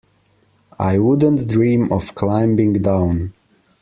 I wouldn't dream of climbing down.